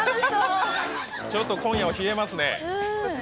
ちょっと今夜は冷えますね。